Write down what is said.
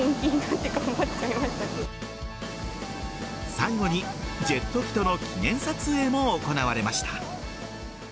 最後にジェット機との記念撮影も行われました。